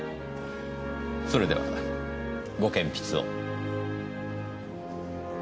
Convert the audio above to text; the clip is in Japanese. それではご健筆を。